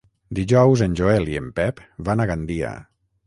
Dijous en Joel i en Pep van a Gandia.